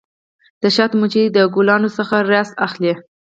د شاتو مچۍ د ګلانو څخه رس اخلي.